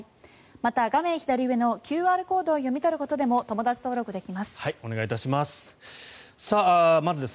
また、画面左上のＱＲコードを読み取ることでもお願いいたします。